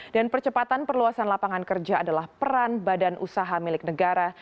dan percepatan perluasan lapangan kerja adalah peran badan usaha milik negara